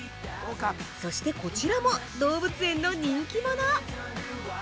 そして、こちらも動物園の人気者。